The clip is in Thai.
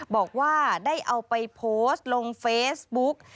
บอกว่าได้เอาไปโพสต์ลงเฟซบุ๊ก